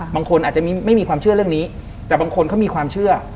บางคนอาจจะไม่มีความเชื่อเรื่องนี้แต่บางคนเขามีความเชื่อ